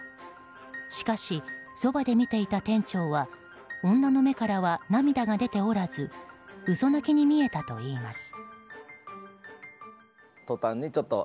しかし、そばで見ていた店長は女の目からは涙が出ておらず嘘泣きに見えたといいます。